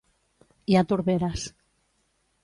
Hi ha torberes.